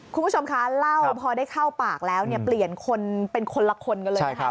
คุณผู้ชมคะเล่าพอได้เข้าปากแล้วเนี่ยเปลี่ยนคนเป็นคนละคนกันเลยนะคะ